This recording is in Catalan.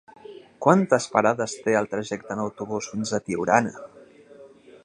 Quantes parades té el trajecte en autobús fins a Tiurana?